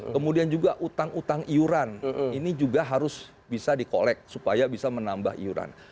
kemudian juga utang utang iuran ini juga harus bisa dikolek supaya bisa menambah iuran